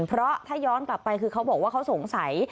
เพราะถ้าย้อนกลับไปคือเขาบอกว่าเขาสงสัย